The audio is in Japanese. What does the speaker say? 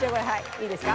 いいですか？